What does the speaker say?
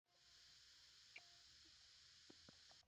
金世宗诏令完颜璋赴元帅都监徒单合喜军前任使。